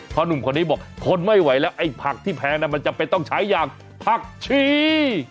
หนุ่มคนนี้บอกทนไม่ไหวแล้วไอ้ผักที่แพงน่ะมันจำเป็นต้องใช้อย่างผักชี